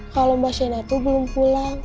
kalau mbak shena tuh belum pulang